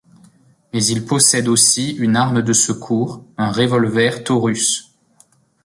Mais il possède aussi une arme de secours, un révolver Taurus.